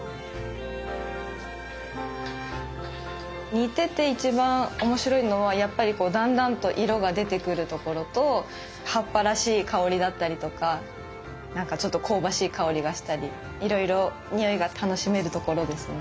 煮てて一番面白いのはやっぱりこうだんだんと色が出てくるところと葉っぱらしい香りだったりとか何かちょっと香ばしい香りがしたりいろいろにおいが楽しめるところですね。